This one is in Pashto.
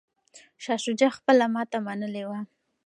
شاه شجاع خپله ماته منلې وه.